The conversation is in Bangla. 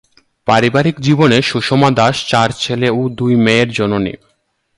পারিবারিক জীবনে সুষমা দাস চার ছেলে ও দুই মেয়ের জননী।